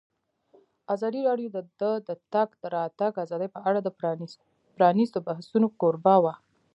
ازادي راډیو د د تګ راتګ ازادي په اړه د پرانیستو بحثونو کوربه وه.